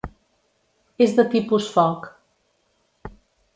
És de tipus foc.